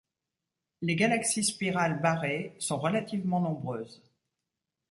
Les galaxies spirales barrées sont relativement nombreuses.